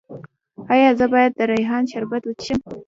ایا زه باید د ریحان شربت وڅښم؟